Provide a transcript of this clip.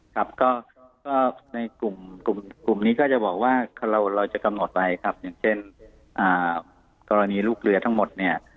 ครับก็ในกลุ่มนี้ก็จะบอกว่าเราจะกำหนดไว้ครับอย่างเช่นกรณีลูกเรือทั้งหมดเนี่ย